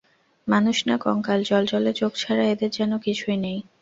মানুষ না কঙ্কাল, জ্বলজ্বলে চোখ ছাড়া এদের যেন কিছুই নেই।